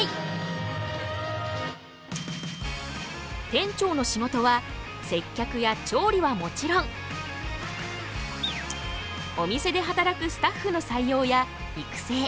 店長の仕事は接客や調理はもちろんお店で働くスタッフの採用や育成。